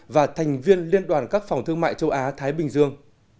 và thành viên liên đoàn các phòng thương mại châu á thái bình dương